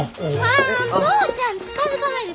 ああ父ちゃん近づかないで！